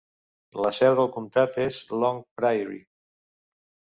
La seu del comtat és Long Prairie.